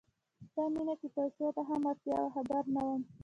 ستا مینه کې پیسو ته هم اړتیا وه خبر نه وم